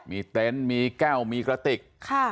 มีเต็นต์มีแก้วมีกระติก